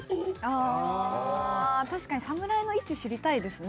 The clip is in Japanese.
ああ確かにサムライの位置知りたいですね。